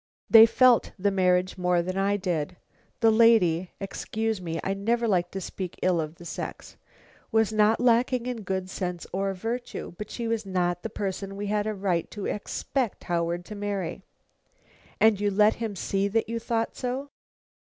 "They felt the marriage more than I did. The lady excuse me, I never like to speak ill of the sex was not lacking in good sense or virtue, but she was not the person we had a right to expect Howard to marry." "And you let him see that you thought so?"